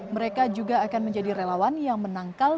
mereka juga akan menjadi relawan yang menangkal